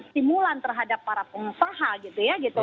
stimulan terhadap para pengusaha gitu ya gitu